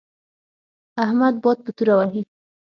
احمد باد په توره وهي.